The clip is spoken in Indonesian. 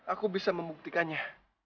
aku bisa membuktikannya